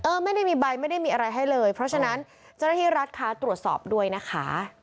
ไม่ได้มีใบไม่ได้มีอะไรให้เลยเพราะฉะนั้นเจ้าหน้าที่รัฐคะตรวจสอบด้วยนะคะ